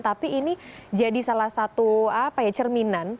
tapi ini jadi salah satu apa ya cerminan